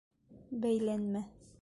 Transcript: Бәйләнмә!